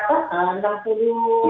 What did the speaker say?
kan seperti itu